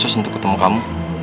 khusus untuk ketemu kamu